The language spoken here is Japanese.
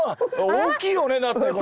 大きいよねだってこれ。